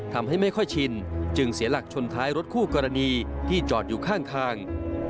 ทำให้ไม่ค่อยชินจึงเสียหลักชนท้ายรถคู่กรณีที่จอดอยู่ข้างทาง